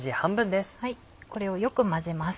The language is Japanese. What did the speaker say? これをよく混ぜます。